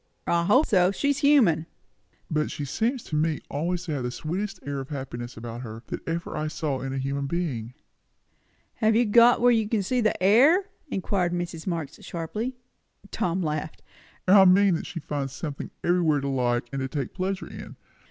"I hope so. She's human." "But she seems to me always to have the sweetest air of happiness about her, that ever I saw in a human being." "Have you got where you can see air?" inquired Mrs. Marx sharply. Tom laughed. "I mean, that she finds something everywhere to like and to take pleasure in.